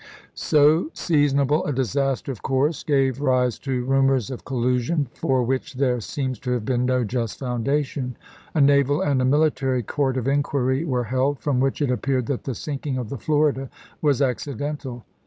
So seasonable a disaster of course gave rise to rumors of collusion, for which there seems to have been no just foundation. A naval and a military court of inquiry were held, from which it appeared that the sinking of the Florida was accidental.